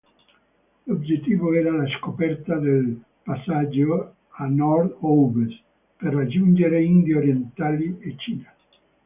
L'obiettivo era la scoperta del passaggio a nord-ovest per raggiungere Indie Orientali e Cina.